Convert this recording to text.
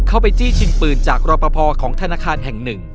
ไปจี้ชิงปืนจากรอปภของธนาคารแห่งหนึ่ง